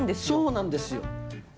そうなんですよ。